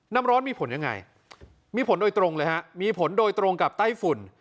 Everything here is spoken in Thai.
น้ำร้อนมีผลยังไงมีผลโดยตรงเลยฮะมีผลโดยตรงกับไต้ฝุ่น